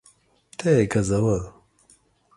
ته یې ګزوه